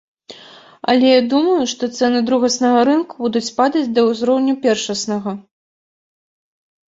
Але я думаю, што цэны другаснага рынка будуць падаць да ўзроўню першаснага.